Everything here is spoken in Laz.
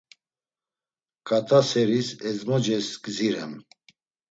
K̆at̆a seris ezmoces gzirem.